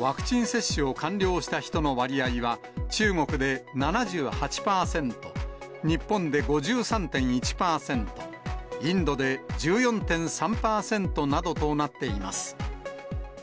ワクチン接種を完了した人の割合は、中国で７８％、日本で５３．１％、インドで１４．３％などとなっています。